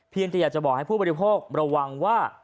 เพียงแต่อยากจะบอกให้ผู้บัตริโพธิระวังว่า